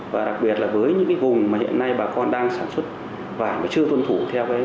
và đặc biệt là với những cái vùng mà hiện nay bà con đang sản xuất vải mà chưa tuân thủ theo ấy